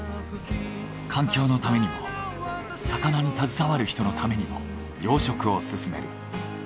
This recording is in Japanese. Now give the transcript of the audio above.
環境のためにも魚に携わる人のためにも養殖を進める。